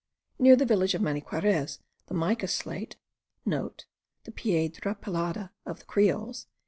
Near the village of Maniquarez, the mica slate* (* The Piedra pelada of the Creoles.)